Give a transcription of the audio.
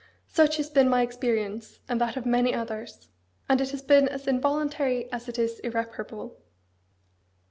Such has been my experience, and that of many others; and it has been as involuntary as it is irreparable."